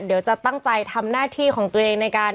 เดี๋ยวจะตั้งใจทำหน้าที่ของตัวเองในการ